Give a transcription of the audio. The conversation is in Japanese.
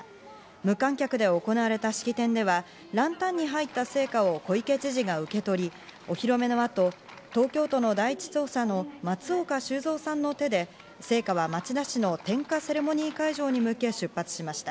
無観客で行われた式典ではランタンに入った聖火を小池知事が受け取り、お披露目の後、東京都の第１走者の松岡修造さんの手で聖火は町田市の点火セレモニー会場に向け出発しました。